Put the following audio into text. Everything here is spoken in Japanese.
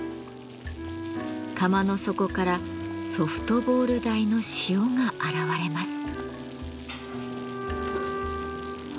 釜の底からソフトボール大の塩が現れます。